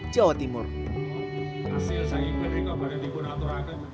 jawa timur hasil sangat menarik kepada dibuat rakan rakan